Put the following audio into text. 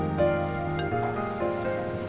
yuk sudah selesai